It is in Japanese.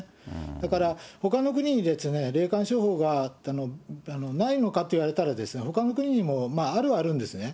だからほかの国に霊感商法がないのかといわれたらですね、ほかの国にもあるはあるんですね。